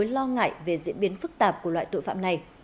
điều này cũng dế lên mối lo ngại về diễn biến phức tạp của loại tội phạm này